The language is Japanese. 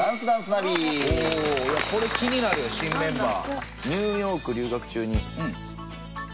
おおこれ気になるよ新メンバー。